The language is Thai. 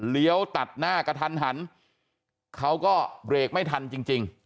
เหลียวตัดหน้ากระทันเขาก็เบรกไม่ทันจริง